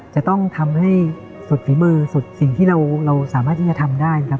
จะต้องทำให้สุดฝีมือสุดสิ่งที่เราสามารถที่จะทำได้นะครับ